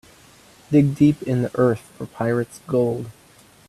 Dig deep in the earth for pirate's gold.